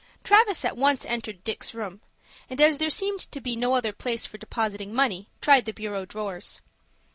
Travis at once entered Dick's room, and, as there seemed to be no other place for depositing money, tried the bureau drawers.